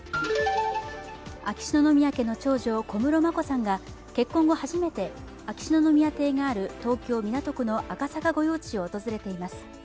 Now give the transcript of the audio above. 秋篠宮家の長女・小室眞子さんが結婚後初めて秋篠宮邸がある東京・港区の赤坂御用地を訪れています。